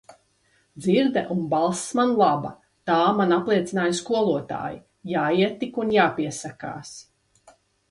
Dzirde un balss man laba, tā man apliecināja skolotāji, jāiet tik un jāpiesakās.